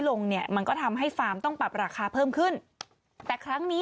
ลงเนี่ยมันก็ทำให้ฟาร์มต้องปรับราคาเพิ่มขึ้นแต่ครั้งนี้